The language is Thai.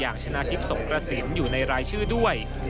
อย่างชนะทริพสมกระซิมอยู่ในรายชื่อด้วย